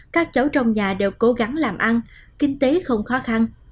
các cháu trong nhà đều cố gắng làm ăn kinh tế không khó khăn